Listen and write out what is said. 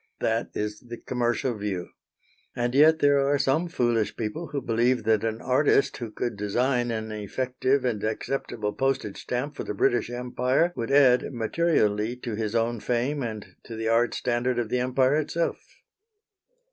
That is the commercial view. And yet there are some foolish people who believe that an artist who could design an effective and acceptable postage stamp for the British Empire would add materially to his own fame and to the art standard of the Empire itself.